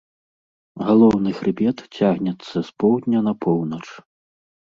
Галоўны хрыбет цягнецца з поўдня на поўнач.